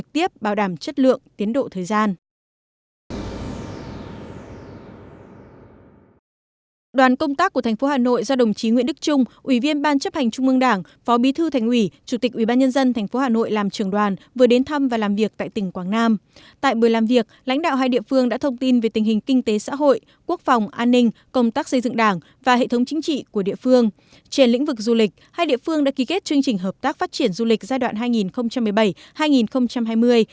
trên lĩnh vực du lịch hai địa phương đã ký kết chương trình hợp tác phát triển du lịch giai đoạn hai nghìn một mươi bảy hai nghìn hai mươi